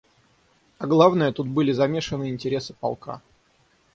А главное, тут были замешаны интересы полка.